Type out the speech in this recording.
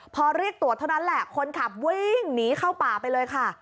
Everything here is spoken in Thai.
พอเรียกตรวจเท่านั้นแหละคนขับวิ่งหนีเข้าป่าไปเลยค่ะ